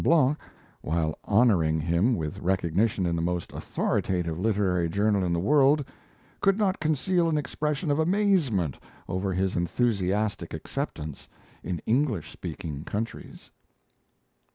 Blanc, while honouring him with recognition in the most authoritative literary journal in the world, could not conceal an expression of amazement over his enthusiastic acceptance in English speaking countries.